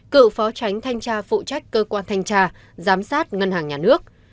cựu phó tránh thanh tra phụ trách cơ quan thanh tra giám sát ngân hàng nhà nước